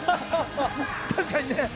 確かにね。